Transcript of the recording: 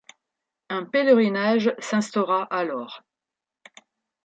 Un pèlerinage s'instaura alors.